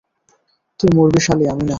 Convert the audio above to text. তুই মরবি শালী, আমি না!